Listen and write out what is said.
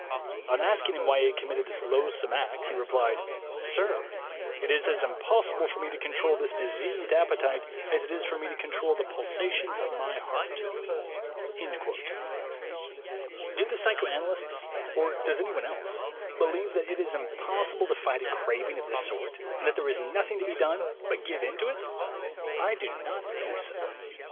On asking him why he had committed this loathsome act, he replied: 'Sir, it is as impossible for me to control this diseased appetite as it is for me to control the pulsations of my heart.' " Do the psychoanalysts, or does anyone else, believe that it is impossible to fight a craving of this sort, and that there is nothing to be done but give in to it? I do not think so.